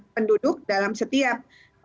penduduk dalam setiap